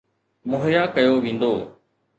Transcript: مهيا ڪيو ويندو.